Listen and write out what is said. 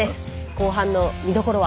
後半のみどころは？